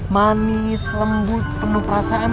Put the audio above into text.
manis lembut penuh perasaan